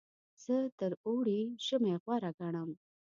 زه تر اوړي ژمی غوره ګڼم.